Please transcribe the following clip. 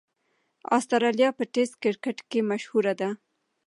اسټرالیا په ټېسټ کرکټ کښي مشهوره ده.